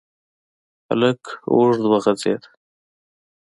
هلک اوږد وغځېد.